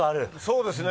そうですね。